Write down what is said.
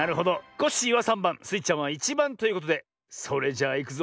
コッシーは３ばんスイちゃんは１ばんということでそれじゃあいくぞ。